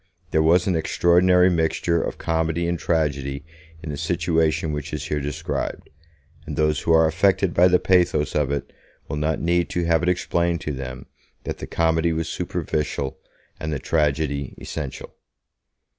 There was an extraordinary mixture of comedy and tragedy in the situation which is here described, and those who are affected by the pathos of it will not need to have it explained to them that the comedy was superficial and the tragedy essential.